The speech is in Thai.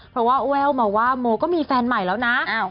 เพราะว่าแววมาว่าโมก็มีแฟนใหม่แล้วนะ